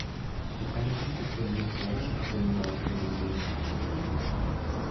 The painting is in the collection of the Newark Museum.